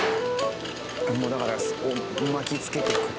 もうだから巻きつけていく。